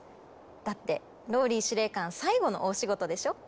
だってＲＯＬＬＹ司令官最後の大仕事でしょ？